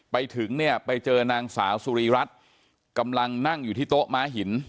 ไปถึงเนี่ยไปเจอนางสาวสุรีรัฐกำลังนั่งอยู่ที่โต๊ะม้าหิน